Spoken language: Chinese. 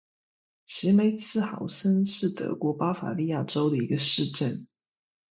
齐梅茨豪森是德国巴伐利亚州的一个市镇。